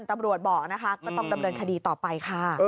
ตำรวจบอกนะคะก็ต้องดำเนินคดีต่อไปค่ะ